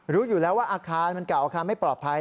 รู้อยู่แล้วว่าอาคารมันเก่าอาคารไม่ปลอดภัย